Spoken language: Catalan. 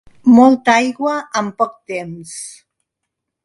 Molta aigua en poc temps.